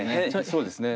そうですね。